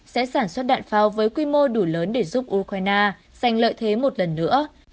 sẽ sản xuất đạn pháo với quy mô đủ lớn để giúp ukraine giành lợi thế một lần nữa